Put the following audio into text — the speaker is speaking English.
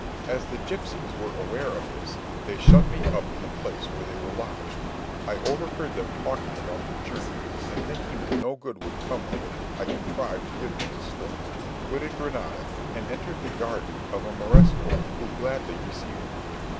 As the gipsies were aware of this, they shut me up in the place where they were lodged. I overheard them talking about their journey, and thinking that no good would come of it, I contrived to give them the slip, quitted Granada, and entered the garden of a Morisco, who gladly received me.